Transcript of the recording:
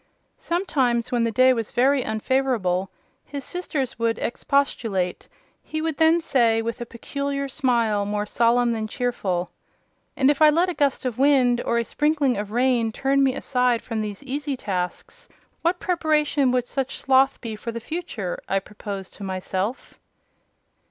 Sometimes, when the day was very unfavourable, his sisters would expostulate. He would then say, with a peculiar smile, more solemn than cheerful— "And if I let a gust of wind or a sprinkling of rain turn me aside from these easy tasks, what preparation would such sloth be for the future I propose to myself?"